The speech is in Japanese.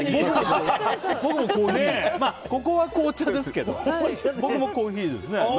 ここは紅茶ですけど僕もコーヒーです。